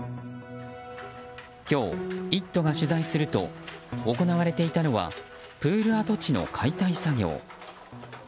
今日、「イット！」が取材すると行われていたのはプール跡地の解体作業。